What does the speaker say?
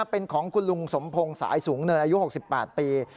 เป็นของคุณลุงสมพงศ์สายสูงเนินอายุ๖๘ปี